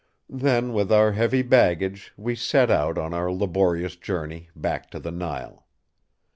Then with our heavy baggage, we set out on our laborious journey back to the Nile.